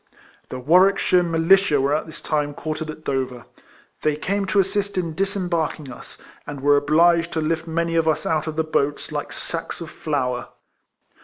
The AVarwickshire Militia were at this time quartered at Dover. They came to assist in disembarking us, and were obliged to lift many of us out of the boats like sacks of flour.